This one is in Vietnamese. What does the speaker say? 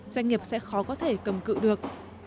doanh nghiệp sẽ khó có thể cầm cự được